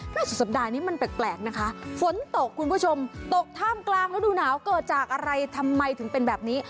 สุดสัปดาห์นี้มันแปลกนะคะฝนตกคุณผู้ชมตกท่ามกลางฤดูหนาวเกิดจากอะไรทำไมถึงเป็นแบบนี้